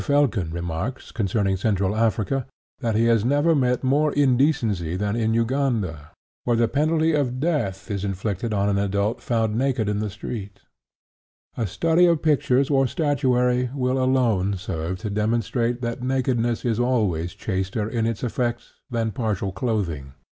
Felkin remarks concerning Central Africa, that he has never met more indecency than in Uganda, where the penalty of death is inflicted on an adult found naked in the street. (Edinburgh Medical Journal, April, 1884.) A study of pictures or statuary will alone serve to demonstrate that nakedness is always chaster in its effects than partial clothing.